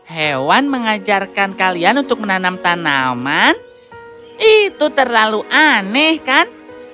hewan mengajarkan kalian untuk menanam tanaman itu terlalu aneh kan